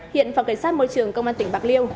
hiện phòng cảnh sát môi trường công an tỉnh bạc liêu